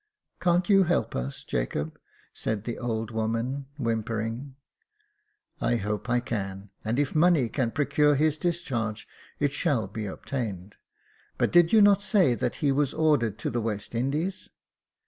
" Can't you help us, Jacob ?" said the old woman, whimpering. " I hope I can, and if money can procure his discharge it shall be obtained. But did you not say that he was ordered to the West Indies